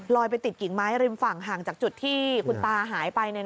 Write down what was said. ไปติดกิ่งไม้ริมฝั่งห่างจากจุดที่คุณตาหายไป